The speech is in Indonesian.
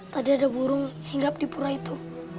tadi ada burung hinggap di pura itu